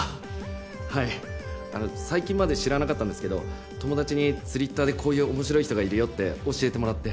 はい最近まで知らなかったんですけど友達にツリッターでこういう面白い人がいるよって教えてもらって。